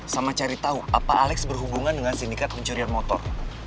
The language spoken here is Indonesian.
sama cari tahu apa alex berhubungan dengan sindikat pencurian motor